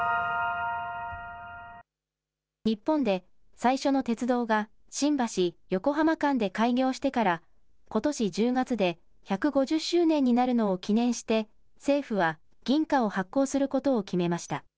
日本で最初の鉄道が新橋・横浜間で開業してからことし１０月で１５０周年になるのを記念して政府は銀貨を発行することを決めました。